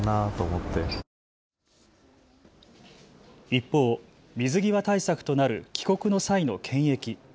一方、水際対策となる帰国の際の検疫。